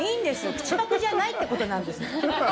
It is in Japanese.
口パクじゃないってことなんです。